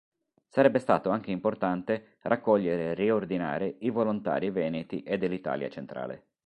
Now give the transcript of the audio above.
Sarebbe stato anche importante raccogliere e riordinare i volontari veneti e dell’Italia centrale.